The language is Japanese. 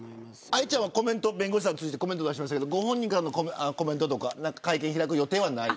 愛ちゃんは弁護士さんを通じてコメントを出しましたがご本人からのコメントとか会見を開く予定はない。